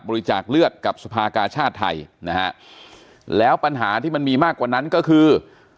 จากเลือดกับสภากาชาติไทยนะฮะแล้วปัญหาที่มันมีมากกว่านั้นก็คือ